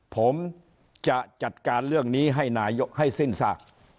ผมจะจัดการเรื่องนี้ให้สิ้นสาก